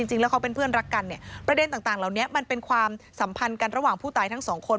จริงแล้วเขาเป็นเพื่อนรักกันเนี่ยประเด็นต่างเหล่านี้มันเป็นความสัมพันธ์กันระหว่างผู้ตายทั้งสองคน